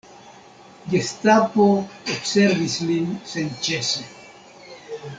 Gestapo observis lin senĉese.